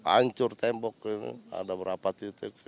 hancur tembok ini ada berapa titik